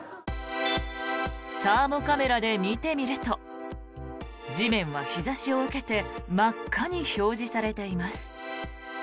サーモカメラで見てみると地面は日差しを受けて真っ赤に表示されています。